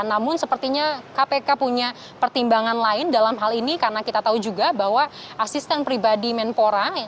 namun sepertinya kpk punya pertimbangan lain dalam hal ini karena kita tahu juga bahwa asisten pribadi menpora